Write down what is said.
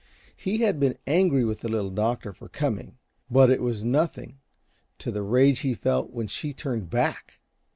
He had been angry with the Little Doctor for coming, but it was nothing to the rage he felt when she turned back!